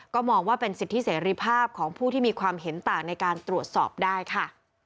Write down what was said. ก็มองว่าเป็นสิทธิเสรีภาพของผู้ที่มีความเห็นต่างในการตรวจสอบได้ค่ะ